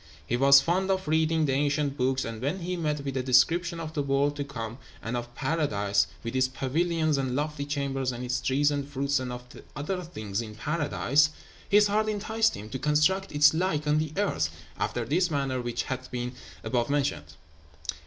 He was fond of reading the ancient books; and when he met with the description of the world to come, and of paradise, with its pavilions and lofty chambers, and its trees and fruits, and of the other things in paradise, his heart enticed him to construct its like on the earth, after this manner which hath been above mentioned.